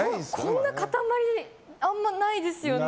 こんな塊あんまりないですよね。